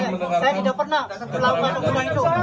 saya tidak pernah melakukan pembunuhan itu